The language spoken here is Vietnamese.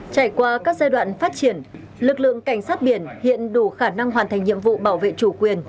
trải qua các giai đoạn phát triển lực lượng cảnh sát biển hiện đủ khả năng hoàn thành nhiệm vụ bảo vệ chủ quyền